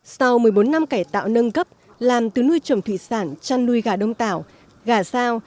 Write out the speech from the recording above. sau một mươi bốn năm cải tạo nâng cấp làm từ nuôi trồng thủy sản chăn nuôi gà đông tảo gà sao